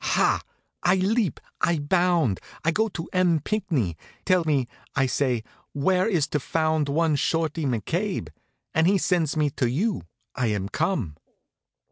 Ha! I leap, I bound! I go to M. Pinckney. 'Tell me,' I say, 'where is to be found one Shorty McCabe?' And he sends me to you. I am come."